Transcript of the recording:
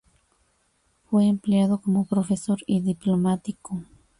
Fue empleado como profesor y diplomático.